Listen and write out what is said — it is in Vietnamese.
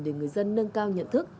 để người dân nâng cao nhận thức